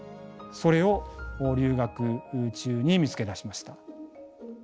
それを留学中に見つけ出しました。